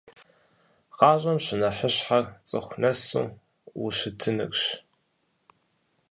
ГъащӀэм щынэхъыщхьэр цӀыху нэсу ущытынырщ.